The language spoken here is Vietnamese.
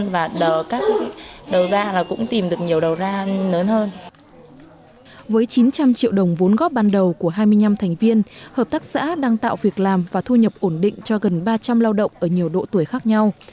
với chín trăm linh triệu đồng vốn góp ban đầu của hai mươi năm thành viên hợp tác xã đang tạo việc làm và thu nhập ổn định cho gần ba trăm linh lao động ở nhiều độ tuổi khác nhau